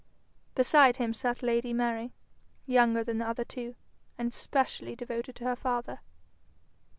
Beside him sat lady Mary, younger than the other two, and specially devoted to her father.